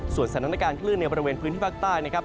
ส่วนสถานการณ์คลื่นประเภร่ฝนที่ภาคใต้นะครับ